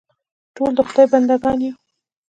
ټول د خدای بنده ګان یو.